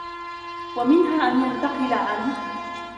وَمِنْهَا أَنْ يَنْتَقِلَ عَنْ